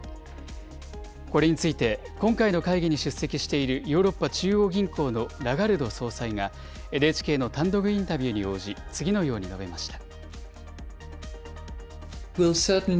これについて、今回の会議に出席しているヨーロッパ中央銀行のラガルド総裁が、ＮＨＫの単独インタビューに応じ、次のように述べました。